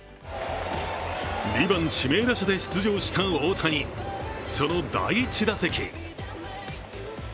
２番・指名打者で出場した大谷、その第１打席。